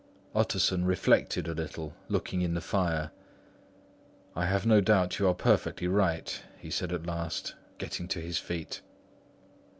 Utterson reflected a little, looking in the fire. "I have no doubt you are perfectly right," he said at last, getting to his feet.